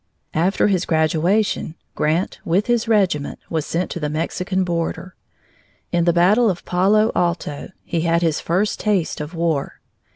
After his graduation, Grant, with his regiment, was sent to the Mexican border. In the battle of Palo Alto he had his first taste of war.